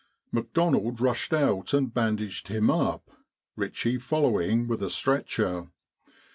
McDonald rushed out and bandaged him up, Ritchie following with a stretcher.